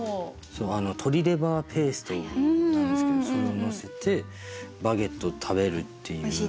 鶏レバーペーストなんですけどそれを載せてバゲットを食べるっていう。